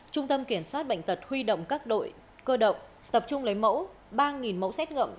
trung tâm kiểm soát bệnh tật huy động các đội cơ động tập trung lấy mẫu ba mẫu xét nghiệm